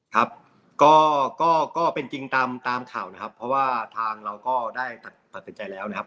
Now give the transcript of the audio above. ครับก็เป็นจริงตามข่าวนะครับเพราะว่าทางเราก็ได้ตัดสินใจแล้วนะครับ